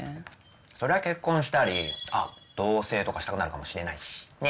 そりゃ結婚したりあっ同棲とかしたくなるかもしれないしねぇ？